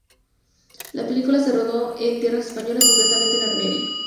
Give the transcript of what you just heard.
La película se rodó en tierras españolas, concretamente en Almería.